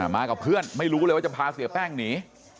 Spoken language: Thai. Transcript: มากับเพื่อนไม่รู้เลยว่าจะพาเสียแป้งหนี